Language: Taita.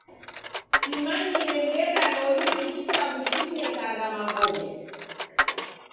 Simanyire ngera loli ichi chaghu chimnekagha magome.